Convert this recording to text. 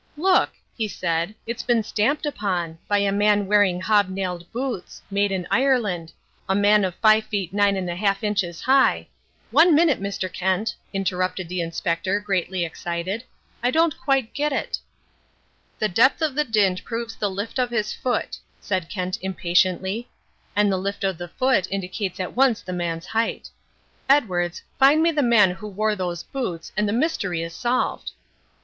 "Look," he said, "it's been stamped upon by a man wearing hob nailed boots made in Ireland a man of five feet nine and a half inches high " "One minute, Mr. Kent," interrupted the Inspector, greatly excited, "I don't quite get it." "The depth of the dint proves the lift of his foot," said Kent impatiently, "and the lift of the foot indicates at once the man's height. Edwards, find me the man who wore these boots and the mystery is solved!"